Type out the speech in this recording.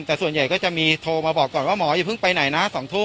แต่ส่วนใหญ่ก็จะมีโทรมาบอกก่อนว่าหมออย่าเพิ่งไปไหนนะ๒ทุ่ม